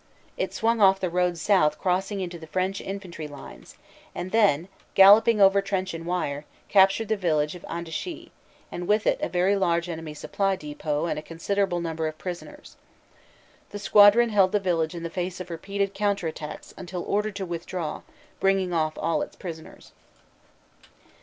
It swung off the road south crossing into the French infantry lines, and then, galloping over trench and wire, captured the village of Andechy, and with it a very large enemy supply depot and a considerable number of prisoners. The squadron held the village in the face of repeated counter attacks until ordered to withdraw, bringing off all its prisoners.